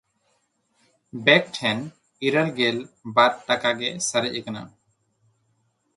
ᱵᱮᱠ ᱴᱷᱮᱱ ᱤᱨᱟᱹᱞᱜᱮᱞ ᱵᱟᱨ ᱴᱟᱠᱟ ᱜᱮ ᱥᱟᱨᱮᱡ ᱠᱟᱱᱟ᱾